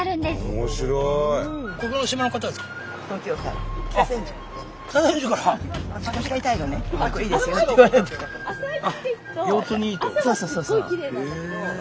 そうそうそうそう。